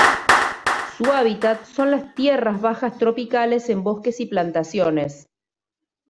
Su hábitat son las tierras bajas tropicales, en bosques y plantaciones.